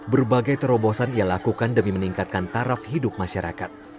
berbagai terobosan ia lakukan demi meningkatkan taraf hidup masyarakat